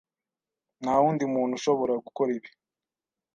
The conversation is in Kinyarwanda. Nta wundi muntu ushobora gukora ibi.